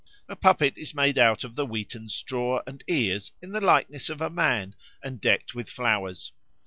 A puppet is made out of the wheaten straw and ears in the likeness of a man and decked with flowers.